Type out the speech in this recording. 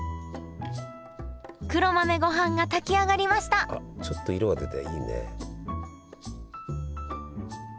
黒豆ごはんが炊き上がりましたあっちょっと色が出ていいね。